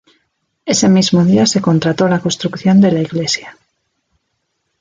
Ese mismo día se contrató la construcción de la iglesia.